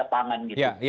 oke baik bang rey